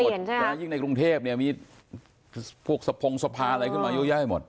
ยิ่งในกรุงเทพเนี่ยมีพวกสะพงสะพานอะไรขึ้นมาเยอะแยะไปหมด